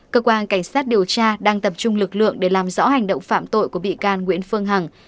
cơ quan cảnh sát điều tra đang tập trung lực lượng để làm rõ hành động phạm tội của bị can nguyễn phương hằng